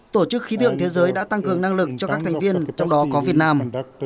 tổ chức khí tượng thế giới đã tăng cường năng lực cho các thành viên trong đó có việt nam